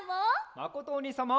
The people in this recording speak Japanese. まことおにいさんも！